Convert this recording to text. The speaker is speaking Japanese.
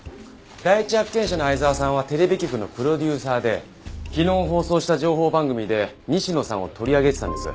第一発見者の相沢さんはテレビ局のプロデューサーで昨日放送した情報番組で西野さんを取り上げてたんです。